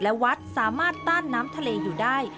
และวัดสามารถต้านน้ำทะเลอยู่ได้